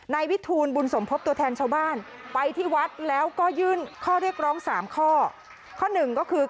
ในวิทูลบุญสมภพตัวแทนชาวบ้านไปที่วัดแล้วก็ยื่นข้อเรียกร้อง๓ข้อ